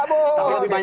itu dapet thr juga bang